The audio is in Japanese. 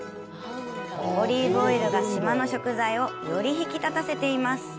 オリーブオイルが島の食材をより引き立たせています。